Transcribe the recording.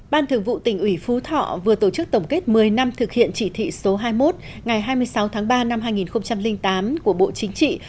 ban thường vụ tỉnh ủy phú thọ vừa tổ chức tổng kết một mươi năm thực hiện chỉ thị số hai mươi một ngày hai mươi sáu tháng ba năm hai nghìn tám của bộ chính trị